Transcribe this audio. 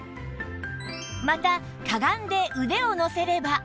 また屈んで腕を乗せれば